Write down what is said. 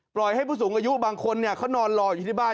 ปล่อยให้ผู้สูงอายุบางคนเนี่ยเค้านอนรออยู่ที่บ้าน